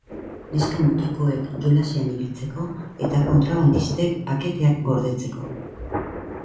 Neska-mutikoek jolasean ibiltzeko eta kontrabandistek paketeak gordetzeko.